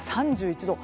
３１度。